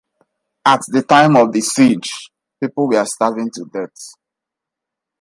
At the time of the siege, people were starving to death.